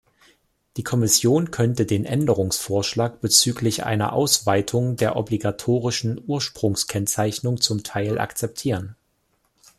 Die Kommission könnte den Änderungsvorschlag bezüglich einer Ausweitung der obligatorischen Ursprungskennzeichnung zum Teil akzeptieren.